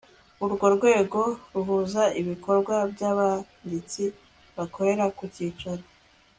Urwo rwego ruhuza ibikorwa by abanditsi bakorera ku cyicaro